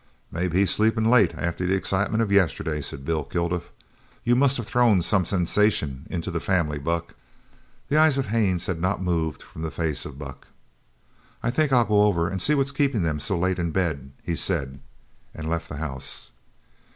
"Maybe he's sleepin' late after the excitement of yesterday," said Bill Kilduff. "You must of thrown some sensation into the family, Buck." The eyes of Haines had not moved from the face of Buck. "I think I'll go over and see what's keeping them so late in bed," he said, and left the house.